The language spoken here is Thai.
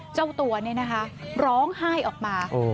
เจ้าตัวร้องไห้ออกมา